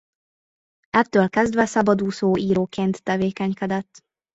Ettől kezdve szabadúszó íróként tevékenykedett.